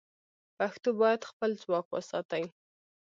پښتو باید خپل ځواک وساتي.